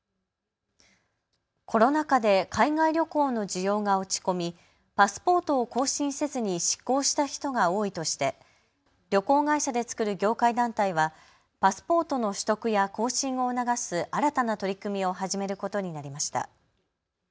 コロナ禍で海外旅行の需要が落ち込みパスポートを更新せずに失効した人が多いとして旅行会社で作る業界団体はパスポートの取得や更新を促す新たな取り組みを始めることになりました。